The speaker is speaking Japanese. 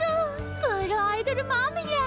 スクールアイドルまみれ。